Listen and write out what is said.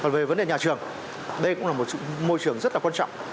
về vấn đề nhà trường đây cũng là một môi trường rất là quan trọng